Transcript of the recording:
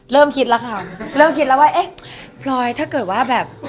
เริ่มคิดแล้วค่ะเริ่มคิดแล้วว่าเอ๊ะพลอยถ้าเกิดว่าแบบ